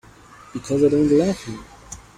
Because I don't love him.